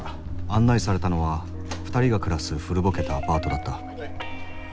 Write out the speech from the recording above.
案内されたのは２人が暮らす古ぼけたアパートだった。